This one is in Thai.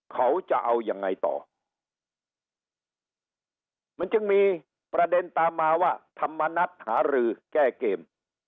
เขาจะเอายังไงต่อมันจึงมีประเด็นตามมาว่าธรรมนัฐหารือแก้เกม